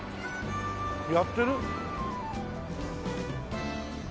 やってる？